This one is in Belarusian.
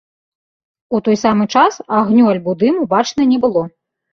У той самы час агню, альбо дыму бачна не было.